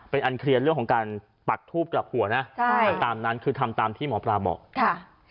เป็นอันเคลียร์เรื่องของการปักทูบกลับหัวนะใช่ตามนั้นคือทำตามที่หมอปลาบอกค่ะ